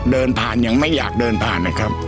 เดินผ่านยังไม่อยากเดินผ่านนะครับ